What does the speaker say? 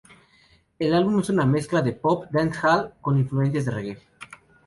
El álbum es una mezcla de pop, dancehall con influencias de reggae.